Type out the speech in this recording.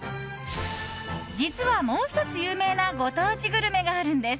実は、もう１つ有名なご当地グルメがあるんです。